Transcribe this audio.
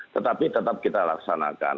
tetapi tetap kita laksanakan